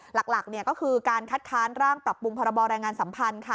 หลักก็คือการคัดค้านร่างปรับปรุงพรบแรงงานสัมพันธ์ค่ะ